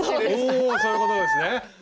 おそういうことですね！